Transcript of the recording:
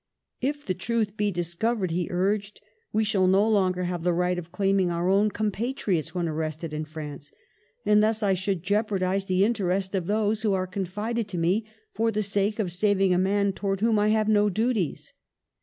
"If the truth be discovered/' he urged, "we shall no longer have the right of claiming our own compatriots when arrested in France ; and thus I should jeopardize the interest of those who are confided to me for the sake of saving a man towards whom I have no duties."